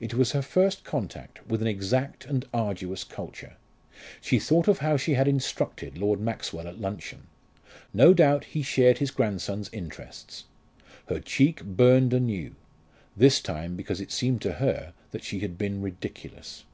It was her first contact with an exact and arduous culture. She thought of how she had instructed Lord Maxwell at luncheon. No doubt he shared his grandson's interests. Her cheek burned anew; this time because it seemed to her that she had been ridiculous.